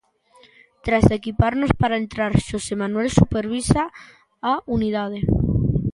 Tras equiparnos para entrar Xosé Manuel supervisa a unidade.